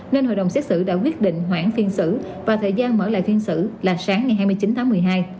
nên hội đồng xét xử đã quyết định hoãn phiên xử và thời gian mở lại phiên xử là sáng ngày hai mươi chín tháng một mươi hai